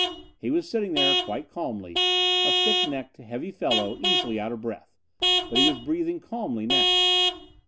He was sitting there quite calmly. A thick necked, heavy fellow, easily out of breath. But he was breathing calmly now.